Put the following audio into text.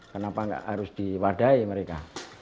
kenapa nggak harus diwadai mereka